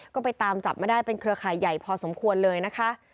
ก็ไปตามจับมาได้เป็นเครือข่ายใหญ่พอสมควรเลยนะคะ